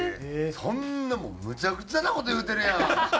そんなもんむちゃくちゃな事言うてるやん。